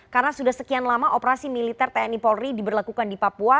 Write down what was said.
karena sudah sekian lama operasi militer tni polri diberlakukan di papua